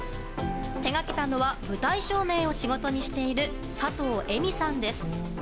手がけたのは舞台照明を仕事にしている佐藤江未さんです。